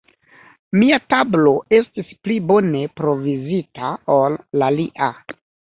Mia tablo estis pli bone provizita ol la lia.